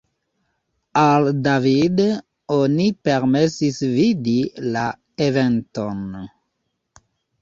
Al David oni permesis vidi la eventon.